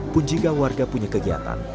pun jika warga punya kegiatan